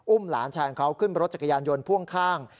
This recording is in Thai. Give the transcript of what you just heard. หลานชายของเขาขึ้นรถจักรยานยนต์พ่วงข้าง